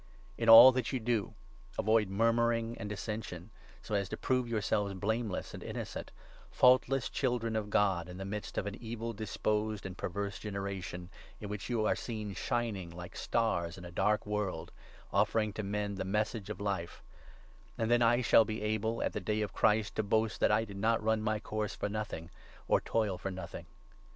In all that you do, avoid murmuring and 14 dissension, so as to prove yourselves blameless and innocent — 15 ' faultless children of God, in the midst of an evil disposed and perverse generation,' in which you are seen shining like stars in a dark world, offering to men the Message of Life ; and 16 then I shall be able at the Day of Christ to boast that I did not run my course for nothing, or toil for nothing.